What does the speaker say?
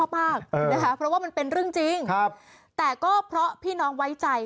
เพราะว่ามันเป็นเรื่องจริงแต่ก็เพราะพี่น้องไว้ใจ